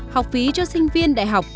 học phí cho sinh viên đại học